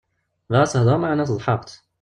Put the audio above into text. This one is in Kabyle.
Bɣiɣ ad s-heḍṛeɣ meɛna setḥaɣ-tt.